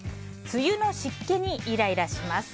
梅雨の湿気にイライラします。